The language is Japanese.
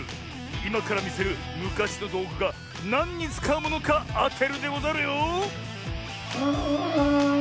いまからみせるむかしのどうぐがなんにつかうものかあてるでござるよ。